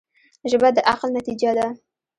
ژبه د عقل نتیجه ده